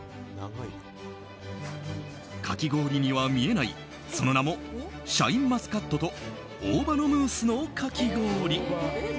かき氷には見えない、その名もシャインマスカットと大葉のムースのかき氷。